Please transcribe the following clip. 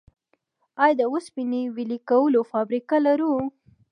آیا د وسپنې ویلې کولو فابریکه لرو؟